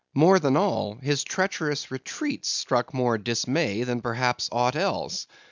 More than all, his treacherous retreats struck more of dismay than perhaps aught else.